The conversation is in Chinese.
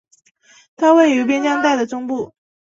它位于边疆带的中部。